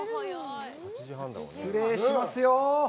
失礼しますよ。